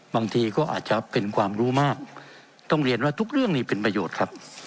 บางทีก็อาจจะเป็นความรู้มากต้องเรียนว่าทุกเรื่องนี้เป็นประโยชน์ครับ